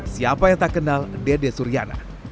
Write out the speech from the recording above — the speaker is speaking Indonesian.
siapa yang tak kenal dede suryana